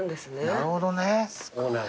なるほどね。